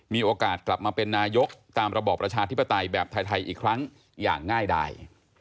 มีโอกาสกลับมาเป็นนายกตามระบอบประชาธิปไตยแบบไทยอีกครั้งอย่างง่ายดาย